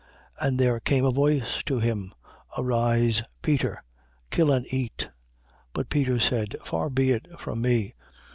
10:13. And there came a voice to him: Arise, Peter. Kill and eat. 10:14. But Peter said: Far be it from me.